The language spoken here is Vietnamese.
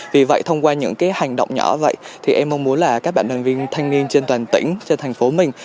vì vậy thông qua những hành động nhỏ vậy thì em mong muốn là các bạn đoàn viên thanh niên trên toàn tỉnh trên thành phố mình